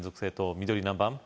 緑何番？